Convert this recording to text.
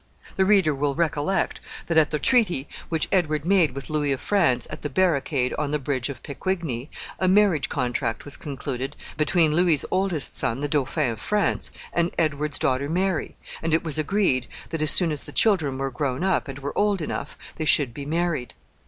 The reader will recollect that, at the treaty which Edward made with Louis of France at the barricade on the bridge of Picquigny, a marriage contract was concluded between Louis's oldest son, the Dauphin of France, and Edward's daughter Mary, and it was agreed that, as soon as the children were grown up, and were old enough, they should be married.